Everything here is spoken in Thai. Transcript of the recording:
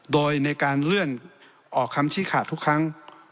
โดยในการเลื่อนออกคำชี้ขาดทุกครั้ง